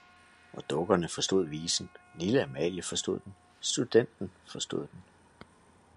Og dukkerne forstod visen, lille Amalie forstod den, studenten forstod den.